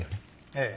ええ。